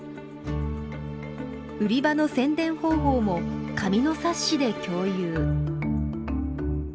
売り場の宣伝方法も紙の冊子で共有。